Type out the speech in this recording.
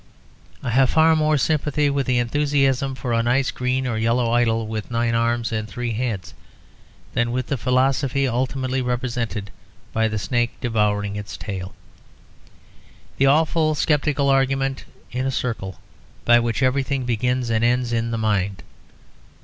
I have far more sympathy with the enthusiasm for a nice green or yellow idol, with nine arms and three heads, than with the philosophy ultimately represented by the snake devouring his tail; the awful sceptical argument in a circle by which everything begins and ends in the mind.